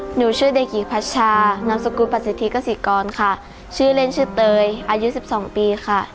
หนูชื่อเด็กหญิงพัชชานามสกุลประสิทธิกษิกรค่ะชื่อเล่นชื่อเตยอายุสิบสองปีค่ะ